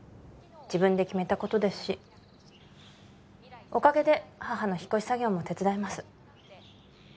自分で決めたことですしおかげで母の引っ越し作業も手伝えます